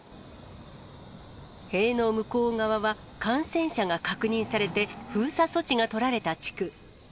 塀の向こう側は、感染者が確認されて封鎖措置が取られた地区。